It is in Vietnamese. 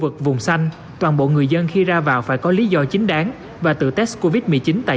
vật vùng xanh toàn bộ người dân khi ra vào phải có lý do chính đáng và tự test covid một mươi chín tại